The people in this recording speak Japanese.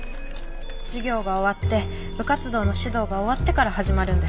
授業が終わって部活動の指導が終わってから始まるんです